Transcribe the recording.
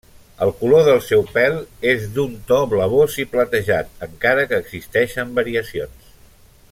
El color del seu pèl és d'un to blavós i platejat, encara que existeixen variacions.